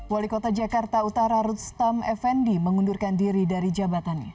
wali kota jakarta utara rustam effendi mengundurkan diri dari jabatannya